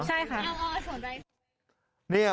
ใช่ค่ะ